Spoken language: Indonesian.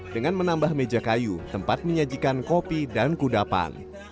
dengan menambah meja kayu tempat menyajikan kopi dan kudapan